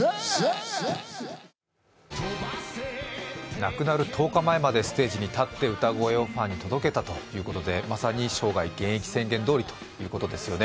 亡くなる１０日前までステージに立って歌声をファンに届けたということでまさに生涯現役宣言ということですよね。